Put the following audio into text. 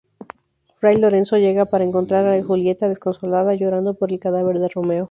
Fray Lorenzo llega para encontrar a Julieta desconsolada llorando por el cadáver de Romeo.